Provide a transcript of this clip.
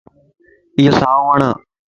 ايو سائو وڙَ